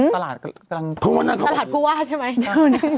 ตลาดผู้ว่าใช่ไหม